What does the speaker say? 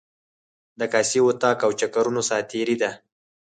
د کاسې، وطاق او چکرونو ساعتیري ده.